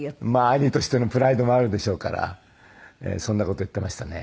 兄としてのプライドもあるでしょうからそんな事を言っていましたね。